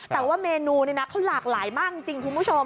แต่ว่าเมนูนี่นะเขาหลากหลายมากจริงคุณผู้ชม